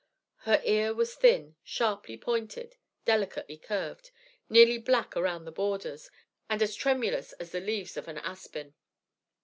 Her ear was thin, sharply pointed, delicately curved, nearly black around the borders, and as tremulous as the leaves of an aspen.